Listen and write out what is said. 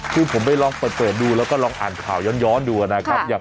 คือผมไปลองเปิดดูแล้วก็ลองอ่านข่าวย้อนดูนะครับ